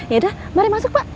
yaudah mari masuk pak